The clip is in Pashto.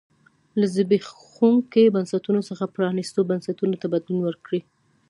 له زبېښونکو بنسټونو څخه پرانیستو بنسټونو ته بدلون وکړي.